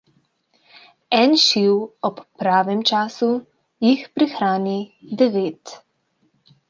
En šiv ob pravem času, jih prihrani devet.